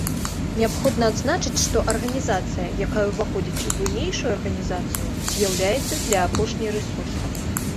Неабходна адзначыць, што арганізацыя, якая ўваходзіць у буйнейшую арганізацыю, з'яўляецца для апошняй рэсурсам.